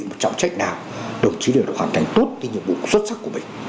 một trọng trách nào đồng chí đều đã hoàn thành tốt cái nhiệm vụ xuất sắc của mình